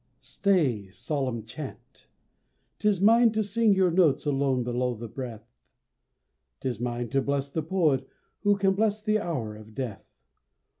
Stay, solemn chant! 'T is mine to sing Your notes alone below the breath. 'T is mine to bless the poet who Can bless the hour of death.